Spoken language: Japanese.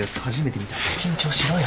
緊張しろよ。